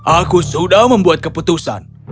aku sudah membuat keputusan